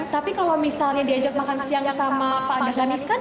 tapi kalau misalnya diajak makan siang sama pak marganis kan